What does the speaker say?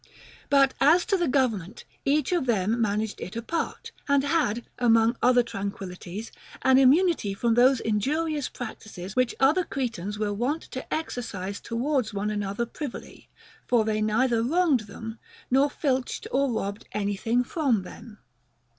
But as to the government, each of them managed it apart, and had, among other tran quillities, an immunity from those injurious practices which other Cretans were wont to exercise towards one another privily ; for they neither wronged them, nor filched or robbed any thing from them.